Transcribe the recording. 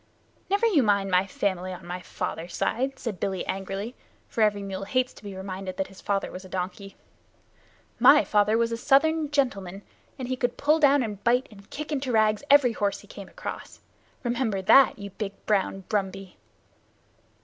"Never you mind my family on my father's side," said Billy angrily, for every mule hates to be reminded that his father was a donkey. "My father was a Southern gentleman, and he could pull down and bite and kick into rags every horse he came across. Remember that, you big brown Brumby!"